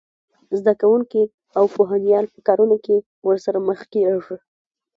زده کوونکي او پوهنپال په کارونه کې ورسره مخ کېږي